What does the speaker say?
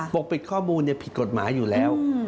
ปกปิดข้อมูลผิดกฎหมายอยู่แล้ว